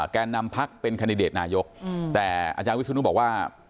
แกนำพักเป็นเคนดิเดตนาโยคอาจารย์วิสูจน์ถูกบอกว่า